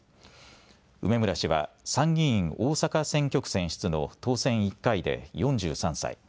梅村氏は参議院大阪選挙区選出の当選１回で４３歳。